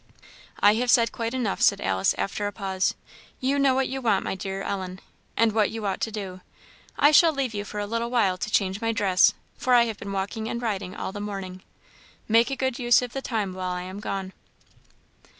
"I have said quite enough," said Alice, after a pause; "you know what you want, my dear Ellen, and what you ought to do. I shall leave you for a little while to change my dress, for I have been walking and riding all the morning. Make a good use of the time while I am gone."